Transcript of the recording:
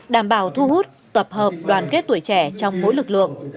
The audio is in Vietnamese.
đảm bảo thu hút tập hợp đoàn kết tuổi trẻ trong mỗi lực lượng